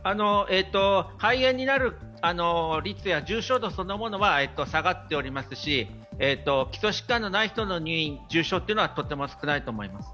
肺炎になるリスクや重症度そのものは少なくなっていますし基礎疾患のない人の入院、重症はとても少ないと思います。